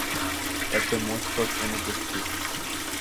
এতে মস্তক অনুপস্থিত।